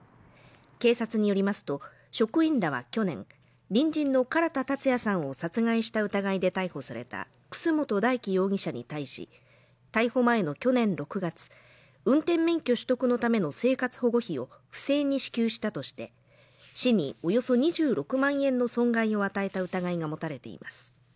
警察によりますと、職員らは去年、隣人の唐田健也さんを殺害した疑いで逮捕された楠本大樹容疑者に対し、逮捕前の去年６月、運転免許取得のための生活保護費を不正に支給したとして市におよそ２６万円の損害を与えた疑いが持たれています。